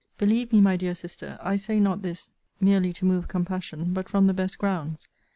Believe me, my dear Sister, I say not this merely to move compassion, but from the best grounds.